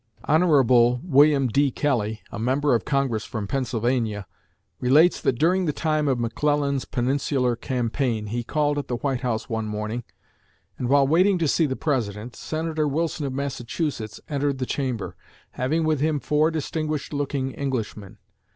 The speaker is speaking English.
'" Hon. William D. Kelly, a Member of Congress from Pennsylvania, relates that during the time of McClellan's Peninsular campaign he called at the White House one morning, and while waiting to see the President, Senator Wilson of Massachusetts entered the chamber, having with him four distinguished looking Englishmen.